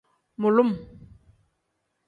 Mulum.